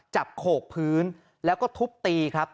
โขกพื้นแล้วก็ทุบตีครับ